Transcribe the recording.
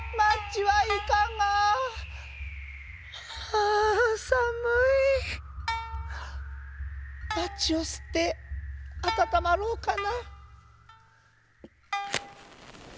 あぁさむい。マッチをすってあたたまろうかな。